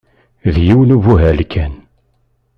D yiwen ubuhal kan.